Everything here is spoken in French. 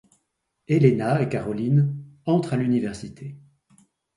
Elena et Caroline entrent à l'université.